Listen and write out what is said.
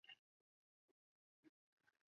嘉靖七年戊子科浙江乡试第十九名。